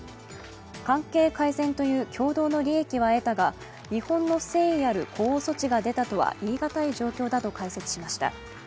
関係改善という共同の利益は得たが、日本の誠意ある呼応措置が出たとは言いがたい状況だと解説しました。